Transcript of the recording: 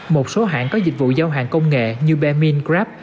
một số hãng có dịch vụ giao hàng công nghệ như bermin grab